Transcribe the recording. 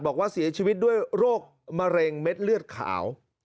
บอกว่าเสียชีวิตด้วยโรคมะเร็งเม็ดเลือดขาว